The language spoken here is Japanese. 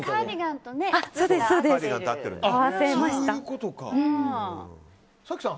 合わせました。